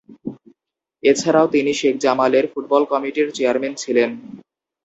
এছাড়াও তিনি শেখ জামালের ফুটবল কমিটির চেয়ারম্যান ছিলেন।